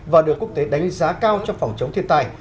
và được quốc tế đánh giá cao trong phòng chống thiên tai